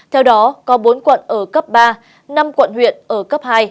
theo đó có bốn quận ở cấp ba năm quận huyện ở cấp hai